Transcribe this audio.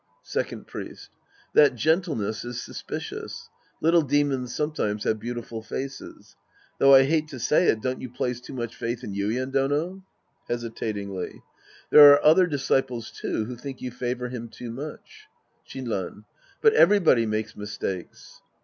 Second Priest. That gentleness is suspicious. Little demons sometimes have beautiful faces. Though I hate to say it, don't you place too much faith in Yuien Dono ? {Hesitatingly.) There are other dis ciples, too, who think you favor him too much. Shinran. But everybody makes mistakes.